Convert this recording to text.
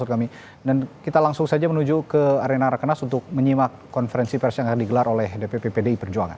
dan kita langsung saja menuju ke arena rekenas untuk menyimak konferensi pers yang akan digelar oleh dpp pdi perjuangan